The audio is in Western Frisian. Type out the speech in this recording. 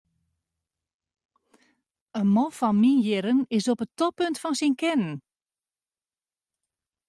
In man fan myn jierren is op it toppunt fan syn kinnen.